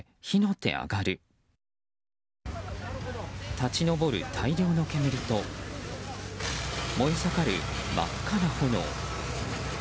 立ち上る大量の煙と燃え盛る真っ赤な炎。